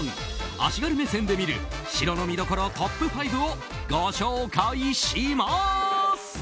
足軽目線で見る城の見どころトップ５をご紹介します！